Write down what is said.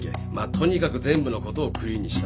とにかく全部のことをクリーンにした